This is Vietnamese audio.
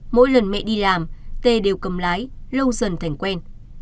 mỗi lần mẹ đi làm tê đều cầm lái lâu dần thành quen